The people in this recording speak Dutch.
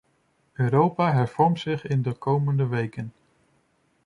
Europa hervormt zich in de komende weken.